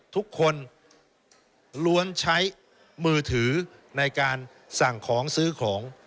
ทุกคนล้วนใช้มือถือในการสั่งของซื้อของ